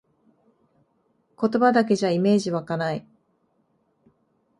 言葉だけじゃイメージわかない